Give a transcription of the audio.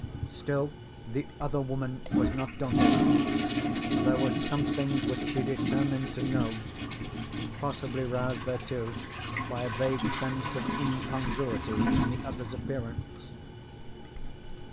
Still the other woman was not daunted; there was something which she determined to know, possibly roused thereto by a vague sense of incongruity in the other's appearance.